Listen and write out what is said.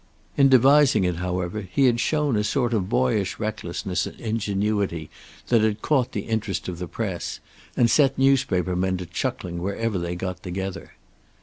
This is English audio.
In devising it, however, he had shown a sort of boyish recklessness and ingenuity that had caught the interest of the press, and set newspaper men to chuckling wherever they got together.